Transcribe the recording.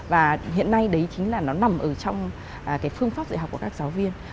và hiện nay đấy chính là nó nằm ở trong cái phương pháp dạy học của các giáo viên